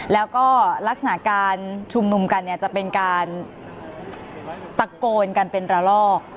แล้วก็ลักษณะการชุมนุมกันเนี่ยจะเป็นการตะโกนกันเป็นระลอก